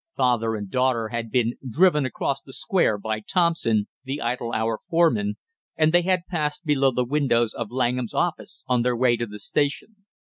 Father and daughter had been driven across the Square by Thompson, the Idle Hour foreman, and they had passed below the windows of Langham's office on their way to the station.